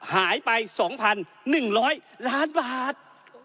หายไป๒๑๐๐ล้านบาท